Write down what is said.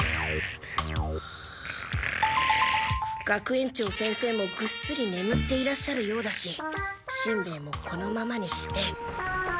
学園長先生もぐっすりねむっていらっしゃるようだししんべヱもこのままにして。